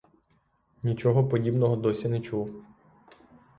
Нічого подібного досі не чув.